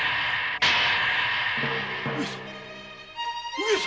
上様！？